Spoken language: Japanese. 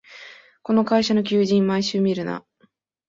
この会社の求人、毎週見るな